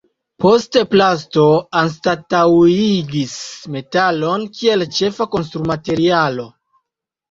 Poste plasto anstataŭigis metalon kiel ĉefa konstrumaterialo.